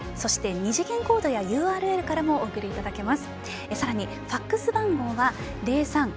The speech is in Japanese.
２次元コードやＵＲＬからもお送りいただけます。